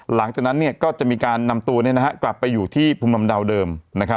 หลังจากนั้นก็จะมีการนำตัวกลับไปอยู่ที่ภูมิลำเนาเดิม